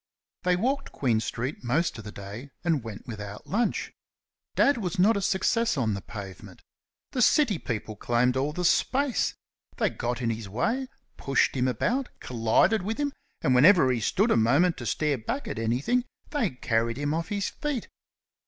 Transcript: They walked Queen street most of the day, and went without lunch. Dad was not a success on the pavement. The city people claimed all the space. They got in his way, pushed him about, collided with him, and whenever he stood a moment to stare back at anything, they carried him off his feet.